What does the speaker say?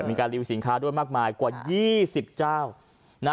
มีการรีวิวสินค้าด้วยมากมายกว่า๒๐เจ้านะ